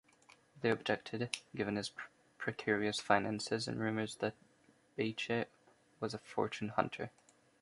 They objected, given his precarious finances and rumors that Bache was a fortune hunter.